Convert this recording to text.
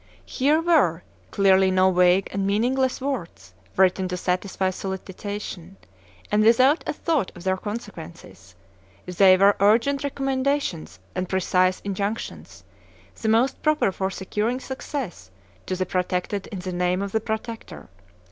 '" Here were clearly no vague and meaningless words, written to satisfy solicitation, and without a thought of their consequences: they were urgent recommendations and precise injunctions, the most proper for securing success to the protected in the name of the protector.